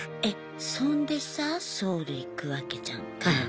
そんでさソウル行くわけじゃんか。